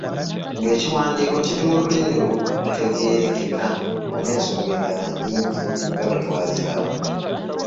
Nga ekiwandiiko kiri mu lulimi olutegeerekeka n’ensonga endala nnyingi nga bwe twaziraba.